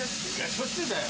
しょっちゅうだよ。